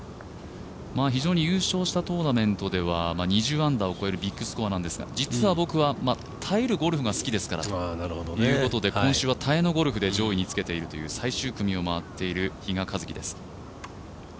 非常に優勝したトーナメントでは２０アンダーを超えるビッグスコアなんですが実は僕は、耐えるゴルフが好きですからといって今週は耐えのゴルフで最終組を回っている比嘉一貴です。